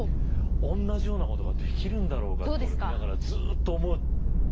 おんなじようなことができるんだろうかって俺見ながらずっと思って。